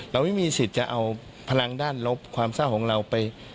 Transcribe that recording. เราไม่มีสิทธิ์จะเอาพลังด้านลบความเศร้าของเราไป